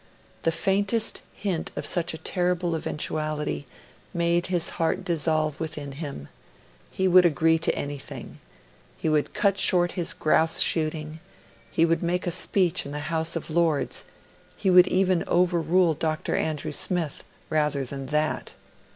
The faintest hint of such a terrible eventuality made his heart dissolve within him; he would agree to anything he would cut short his grouse shooting he would make a speech in the House of Lords, he would even overrule Dr. Andrew Smith rather than that.